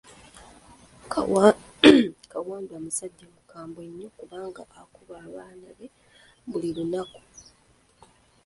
Kawadwa musajja mukambwe nnyo kubanga akuba abaana be buli lunaku.